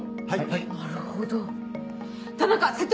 はい！